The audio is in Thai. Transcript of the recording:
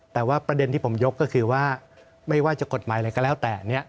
แต่ว่าประเด็นที่ผมยกก็คือว่าไม่ว่าจะกฎหมายอะไรก็แล้วแต่เนี่ย